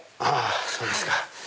そうですか。